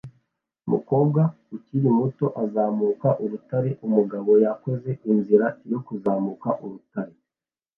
Umukobwa ukiri muto azamuka urutare umugabo yakoze inzira yo kuzamuka urutare